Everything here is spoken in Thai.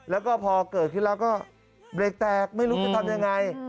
แล้วก็พอเกิดขึ้นแล้วก็เบรกแตกไม่รู้จะทำยังไง